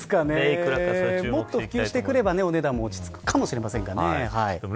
もっと普及してくれればお値段も落ち着くかもしれません。